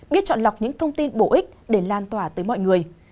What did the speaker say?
biết chọn lọc những thông tin bổ ích để lan tỏa tới mọi người